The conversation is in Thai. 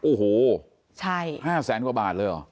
โอ้โห๕แสนกว่าบาทเลยเหรอ